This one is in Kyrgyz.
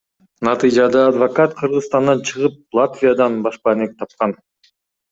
Натыйжада адвокат Кыргызстандан чыгып Латвиядан башпаанек тапкан.